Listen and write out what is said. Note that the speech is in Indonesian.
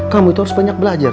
kamu itu harus banyak belajar